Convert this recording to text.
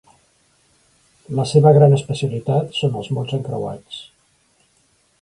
La seva gran especialitat són els mots encreuats.